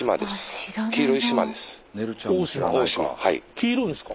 黄色ですか？